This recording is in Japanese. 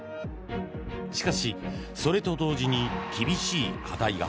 しかし、それと同時に厳しい課題が。